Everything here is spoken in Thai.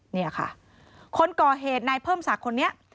เนี่ยค่ะคนก่อเหตุนายเพิ่มศักดิ์คนนี้